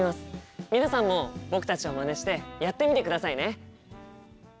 皆さんも僕たちをまねしてやってみてくださいね。